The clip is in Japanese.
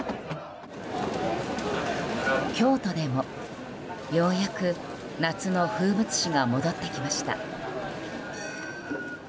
京都でも、ようやく夏の風物詩が戻ってきました。